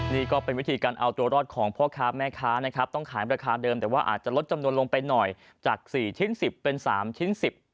นี่ก็เป็นวิธีการเอาตัวรอดของพ่อค้าแม่ค้านะครับต้องขายราคาเดิมแต่ว่าอาจจะลดจำนวนลงไปหน่อยจาก๔ชิ้น๑๐เป็น๓ชิ้น๑๐